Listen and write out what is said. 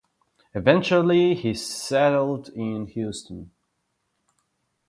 Eventually he settled in Houston.